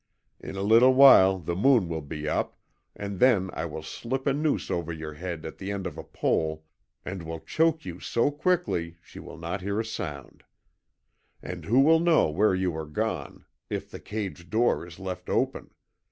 In a little while the moon will be up, and then I will slip a noose over your head at the end of a pole, and will choke you so quickly she will not hear a sound. And who will know where you are gone, if the cage door is left open?